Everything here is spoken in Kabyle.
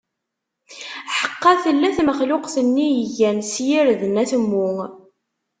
Ḥeqqa tella tmexluqt-nni igan s yirden atemmu.